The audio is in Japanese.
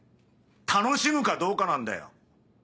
楽しむかどうかなんだよ！